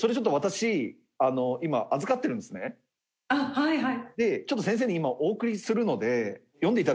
はいはい。